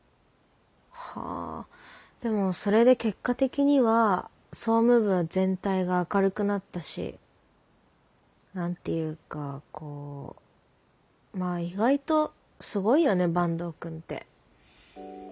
でもそれで結果的には総務部全体が明るくなったし何て言うかこうまあ意外とすごいよね坂東くんって。